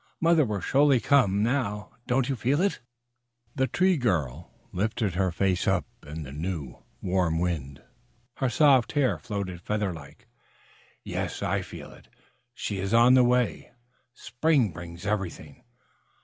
Mother will surely come now. Don't you feel it?" The Tree Girl lifted her face up in the new warm wind. Her soft hair floated feather like. "Yes, I feel it. She is on the way. Spring brings everything."